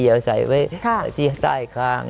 อย่าใส่ไว้ที่ใต้คล้าง